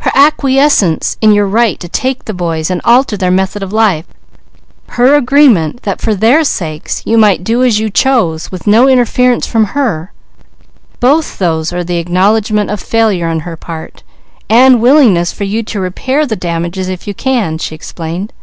"Her acquiescence in your right to take the boys and alter their method of life; her agreement that for their sakes you might do as you chose with no interference from her; both those are the acknowledgment of failure on her part and willingness for you to repair the damages if you can," she explained.